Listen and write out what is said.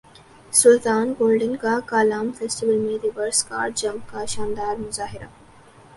سلطان Golden کا Kalam festival میں reverse car jump کا شاندار مظاہرہ